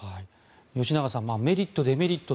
吉永さんメリット、デメリット